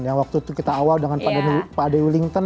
yang waktu itu kita awal dengan pak daniel wellington